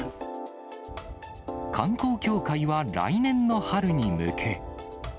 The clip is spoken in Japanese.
観光協会は来年の春に向け。